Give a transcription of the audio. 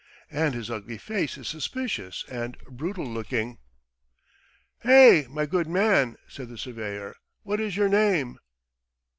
And his ugly face is suspicious and brutal looking." "Hey, my good man!" said the surveyor, "What is your name?"